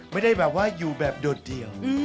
ไม่ได้อยู่แบบดดเดี่ยว